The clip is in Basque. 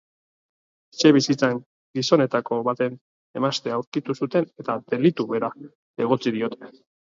Etxebizitzan gizonetako baten emaztea aurkitu zuten eta delitu bera egotzi diote.